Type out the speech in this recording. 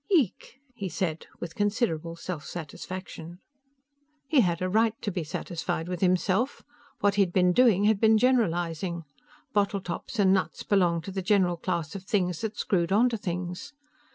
"Yeek," he said, with considerable self satisfaction. He had a right to be satisfied with himself. What he'd been doing had been generalizing. Bottle tops and nuts belonged to the general class of things that screwed onto things.